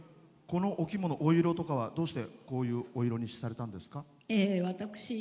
このお着物お色とかはどうして、こういうお色にされたんですか？